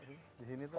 di sini tuh